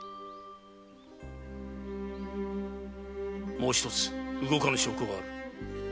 もう一つ動かぬ証拠がある。